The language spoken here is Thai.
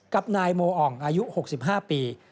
กับนายโมอ่องอายุ๖๕ปี